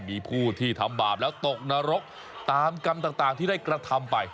มีผู้ที่ทำบาปแล้วตกนรกตามกรรมต่างที่ได้กระทำไป